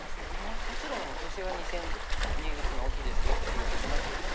もちろん「ヨセは２線に打つのは大きいですよ」ってよく言いますよね。